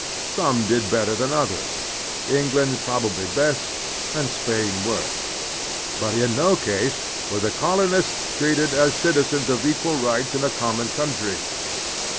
Some did better than others, — England probably best and Spain worst, — ^but in no case were the colonists treated as citizens of equal rights in a common coimtry.